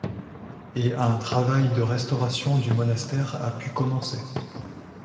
Et un travail de restauration du monastère a pu commencer.